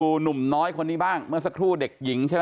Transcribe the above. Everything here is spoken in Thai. หนุ่มน้อยคนนี้บ้างเมื่อสักครู่เด็กหญิงใช่ไหม